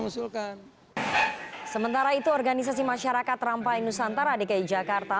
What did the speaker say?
usulkan sementara itu organisasi masyarakat rampai nusantara dki jakarta